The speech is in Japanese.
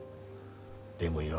でもよ